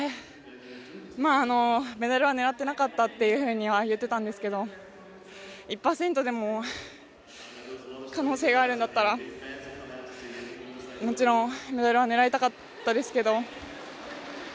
メダルは狙ってなかったというふうには言っていたんですが１％でも可能性があるんだったらもちろんメダルを狙いたかったですけど